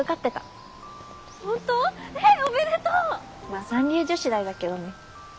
まあ三流女子大だけどね。